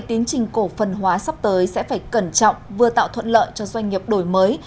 tiến trình cổ phần hóa sắp tới sẽ phải cẩn trọng vừa tạo thuận lợi cho doanh nghiệp đổi mới